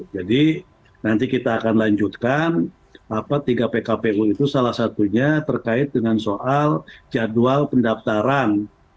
jadi nanti kita akan lanjutkan tiga pkpu itu salah satunya terkait dengan soal jadwal pendaftaran